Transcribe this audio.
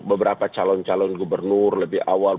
beberapa calon calon gubernur lebih awal